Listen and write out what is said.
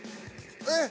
えっ。